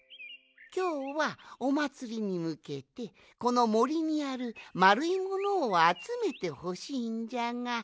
きょうはおまつりにむけてこのもりにあるまるいものをあつめてほしいんじゃがどうかの？